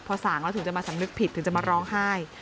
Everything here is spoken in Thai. พอส่างแล้วถึงจะมาสำนึกผิดถึงจะมาร้องไห้